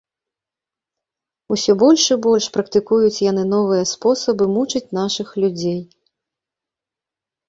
Усё больш і больш практыкуюць яны новыя спосабы мучыць нашых людзей.